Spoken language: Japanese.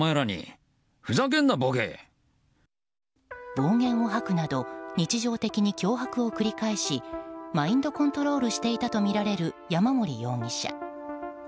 暴言を吐くなど日常的に脅迫を繰り返しマインドコントロールしていたとみられる山森容疑者。